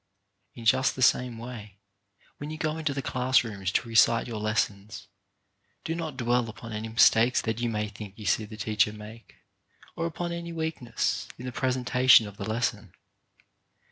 In just the same way, when you go into the class rooms to recite your lessons, do not dwell upon any mistakes that you may think you see the teacher make, or upon any weakness in the presentation of the lesson.